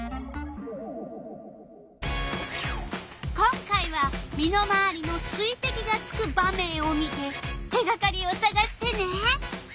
今回は身のまわりの水てきがつく場面を見て手がかりをさがしてね！